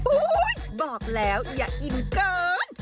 บอกแล้วอย่าอิ่มเกิน